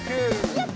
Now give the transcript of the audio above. やった！